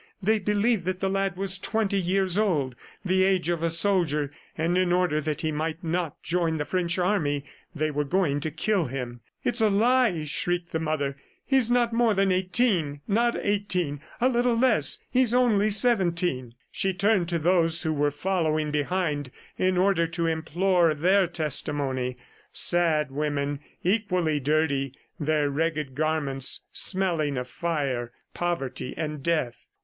They believed that the lad was twenty years old, the age of a soldier, and in order that he might not join the French army, they were going to kill him. "It's a lie!" shrieked the mother. "He is not more than eighteen ... not eighteen ... a little less he's only seventeen." She turned to those who were following behind, in order to implore their testimony sad women, equally dirty, their ragged garments smelling of fire, poverty and death.